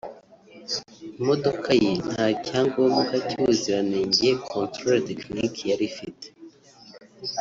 imodoka ye nta cyangombwa cy’ubuziranenge (Controle Technique) yari ifite